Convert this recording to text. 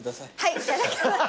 いただきます。